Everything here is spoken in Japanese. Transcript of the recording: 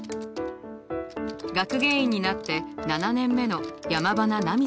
学芸員になって７年目の山塙菜未さん。